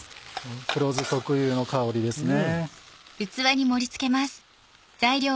黒酢特有の香りですね。